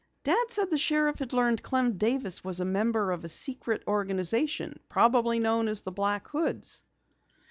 "Dad said the sheriff had learned Clem Davis was a member of a secret organization, probably known as the Black Hoods."